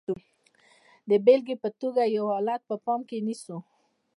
د بېلګې په توګه یو حالت په پام کې نیسو.